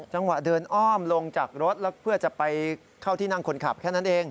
จังหวะเดินอ้อมลงจากรถแล้วเพื่อจะไปเข้าที่นั่งคนขับแค่นั้นเอง